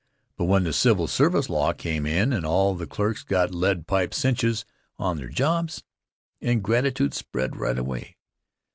But when the civil service law came in and all the clerks got lead pipe cinches on their jobs, ingratitude spread right away.